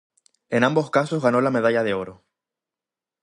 En ambos casos ganó la medalla de oro.